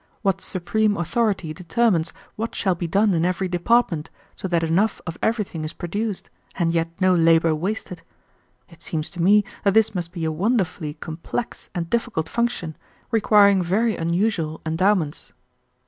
What supreme authority determines what shall be done in every department, so that enough of everything is produced and yet no labor wasted? It seems to me that this must be a wonderfully complex and difficult function, requiring very unusual endowments."